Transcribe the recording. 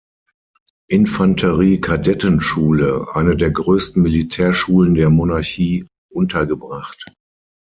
Infanterie-Kadettenschule", eine der größten Militärschulen der Monarchie, untergebracht.